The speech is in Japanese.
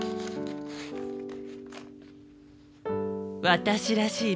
私らしい